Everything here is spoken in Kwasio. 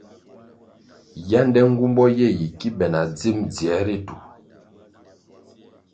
Yánde nğumbo ye yi ki be na dzim dzier ritu.